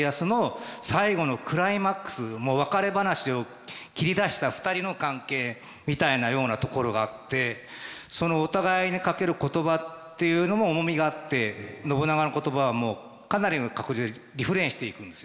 もう別れ話を切り出した２人の関係みたいなようなところがあってそのお互いにかける言葉っていうのも重みがあって信長の言葉はもうかなりの確率でリフレインしていくんですよね。